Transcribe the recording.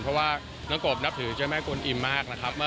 เพราะว่าน้องกบนับถือเจ้าแม่กวนอิ่มมากนะครับ